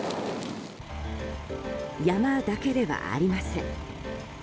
山だけではありません。